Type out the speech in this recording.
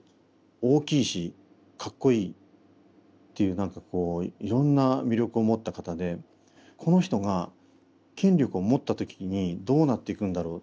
大きいしかっこいいっていう何かこういろんな魅力を持った方でこの人が権力を持った時にどうなっていくんだろう